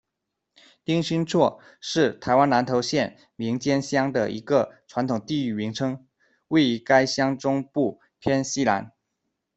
顶新厝，是台湾南投县名间乡的一个传统地域名称，位于该乡中部偏西南。